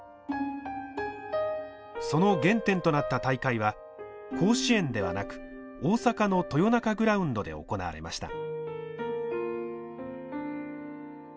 その原点となった大会は甲子園ではなく大阪の豊中グラウンドで行われました。